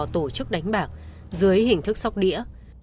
tổ chức đánh bạc dưới hình thức sóc đĩa